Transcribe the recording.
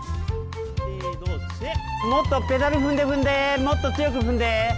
もっとペダル踏んで踏んでもっと強く踏んで。